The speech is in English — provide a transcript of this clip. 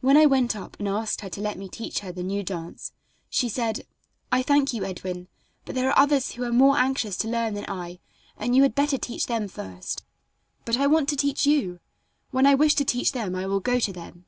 When I went up and asked her to let me teach her the new dance, she said: "I thank you, Edwin; but there are others who are more anxious to learn than I, and you had better teach them first." "But I want to teach you. When I wish to teach them I will go to them."